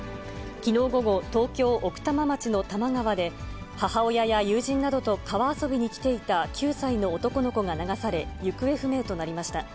きのう午後、東京・奥多摩町の多摩川で、母親や友人などと川遊びに来ていた９歳の男の子が流され、行方不明となりました。